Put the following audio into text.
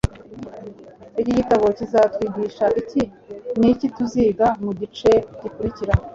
iki gitabo kizatwigisha iki ni iki tuziga mu gice gikurikira